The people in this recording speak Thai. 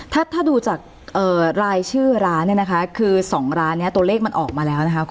ถ้าดูจากรายชื่อร้านคือ๒ร้านตัวเลขมันออกมาแล้ว